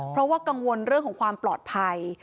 เพราะว่ากังวลเรื่องของความปลอดภัย